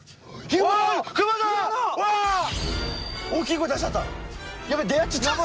大きい声出しちゃった。